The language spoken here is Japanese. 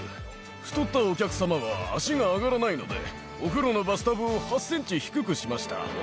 太ったお客様は足が上がらないので、お風呂のバスタブを８センチ低くしました。